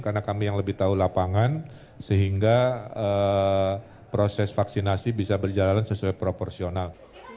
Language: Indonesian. karena kami yang lebih tahu lapangan sehingga proses vaksinasi bisa berjalan sesuai proporsional